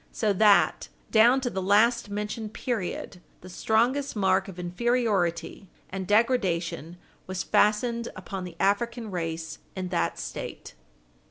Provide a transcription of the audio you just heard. So that, down to the last mentioned period, the strongest mark of inferiority and degradation was fastened upon the African race in that State.